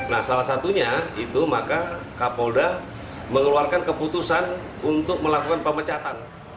nah salah satunya itu maka kapolda mengeluarkan keputusan untuk melakukan pemecatan